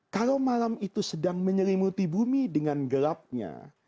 kalau malam itu sedang menyelimuti bumi dengan gelapnya